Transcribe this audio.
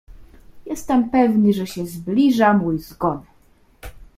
— Jestem pewny, że się zbliża mój zgon.